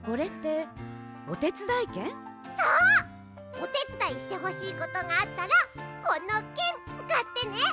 おてつだいしてほしいことがあったらこのけんつかってね。